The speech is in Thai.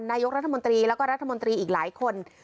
นายกรัฐมนตรีแล้วก็รัฐมนตรีอีกหลายคน